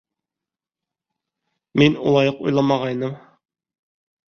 Мин улай уҡ уйламағайным.